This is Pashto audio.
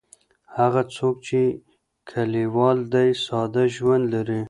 هغه څوک چې کلیوال دی ساده ژوند لري.